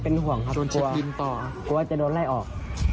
เป็นห่วงครับกลัวจะด้นไล่ออก